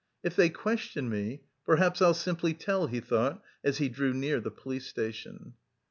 "If they question me, perhaps I'll simply tell," he thought, as he drew near the police station.